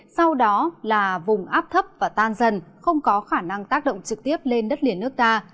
sau đó là vùng áp thấp và tan dần không có khả năng tác động trực tiếp lên đất liền nước ta